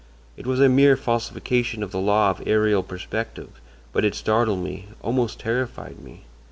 It was a mere falsification of the law of aërial perspective, but it startled, almost terrified me.